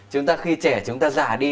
chúng ta khi trẻ chúng ta giả đi